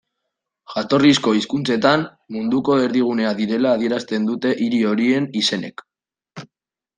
Jatorrizko hizkuntzetan, munduko erdigunea direla adierazten dute hiri horien izenek.